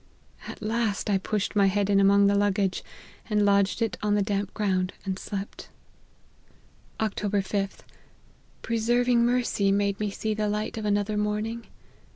At last I pushed my head in among the luggage, and lodged it on the damp ground, and slept. " Oct. 5th. Preserving mercy made me see the light of another morning.